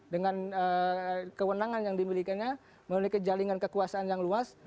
dengan kewenangan yang dimilikinya memiliki jaringan kekuasaan yang luas